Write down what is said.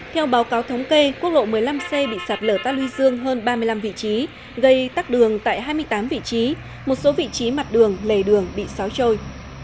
theo báo cáo thống kê quốc lộ một mươi năm c bị sạt lở ta luy dương hơn ba mươi năm vị trí gây tắc đường tại hai mươi tám vị trí một số vị trí mặt đường lề đường bị xáo trôi